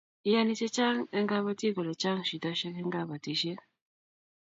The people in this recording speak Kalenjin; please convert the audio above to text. iani chechang eng kabatik kole chang shidoshek eng kabatishiet